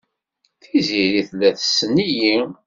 Tiziri tella tessen-iyi.